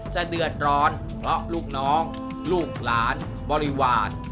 จะเดือดร้อนเพราะลูกน้องลูกหลานบริวาร